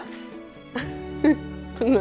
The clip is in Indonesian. lagi mikirin kamu lah